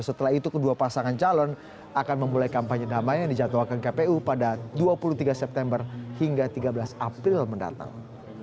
setelah itu kedua pasangan calon akan memulai kampanye damai yang dijadwalkan kpu pada dua puluh tiga september hingga tiga belas april mendatang